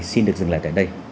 xin được dừng lại tại đây